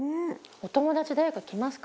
お友達誰か来ますか？